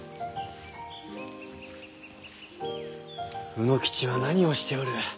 卯之吉は何をしておる！